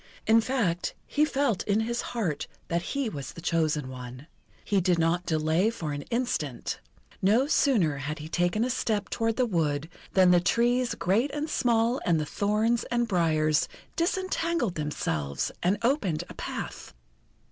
In fact, he felt in his heart that he was the chosen one. He did not delay for an instant. No sooner had he taken a step toward the wood than the trees great and small, and the thorns and briars, disentangled themselves and opened a path.